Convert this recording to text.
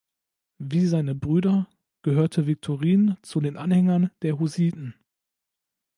Wie seine Brüder gehörte Viktorin zu den Anhängern der Hussiten.